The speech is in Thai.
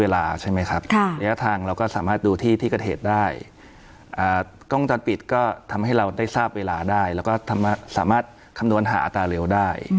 แล้วก็สามารถดูที่ที่เกิดเหตุได้กล้องจ้อนปิดก็ทำให้เราได้ทราบเวลาได้แล้วก็สามารถคำนวณหาอัตราเร็วได้